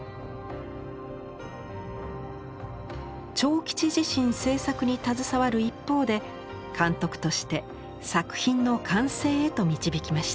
長吉自身制作に携わる一方で監督として作品の完成へと導きました。